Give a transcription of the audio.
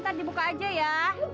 ntar dibuka aja ya